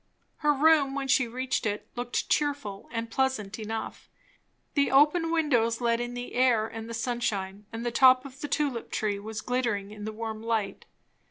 Her room, when she reached it, looked cheerful and pleasant enough. The open windows let in the air and the sunshine, and the top of the tulip tree was glittering in the warm light.